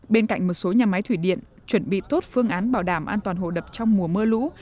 bên cạnh một số nhà máy thủy điện chuẩn bị tốt phương án bảo đảm an toàn hồ đập trong mùa mưa lũ